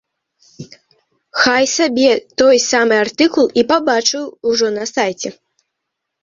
Хай сабе той самы артыкул і пабачыў ужо на сайце.